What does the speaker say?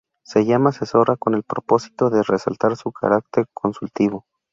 Se llama "Asesora" con el propósito de resaltar su carácter consultivo.